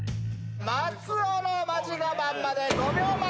松尾のマジガマンまで５秒前！